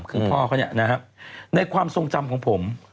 คือพ่อเขาเนี่ยนะครับในความทรงจำของผม